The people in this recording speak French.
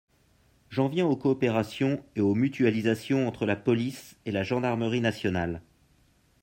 J’en viens aux coopérations et aux mutualisations entre la police et la gendarmerie nationales.